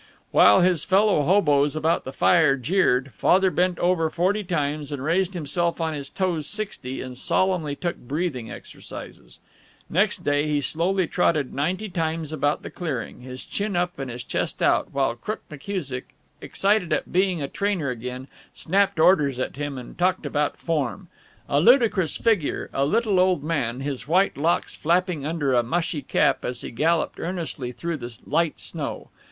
While his fellow hoboes about the fire jeered, Father bent over forty times, and raised himself on his toes sixty, and solemnly took breathing exercises. Next day he slowly trotted ninety times about the clearing, his chin up and his chest out, while Crook McKusick, excited at being a trainer again, snapped orders at him and talked about form.... A ludicrous figure, a little old man, his white locks flapping under a mushy cap as he galloped earnestly through the light snow.